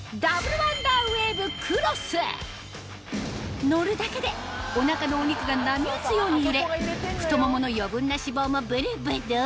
それが乗るだけでお腹のお肉が波打つように揺れ太ももの余分な脂肪もブルブル！